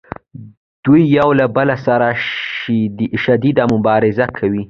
دوی یو له بل سره شدیده مبارزه کوي